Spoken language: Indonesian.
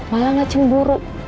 mala gak cemburu